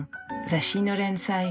雑誌の連載